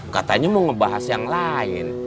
katanya mau ngebahas yang lain